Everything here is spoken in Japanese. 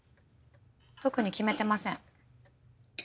特に決めてません。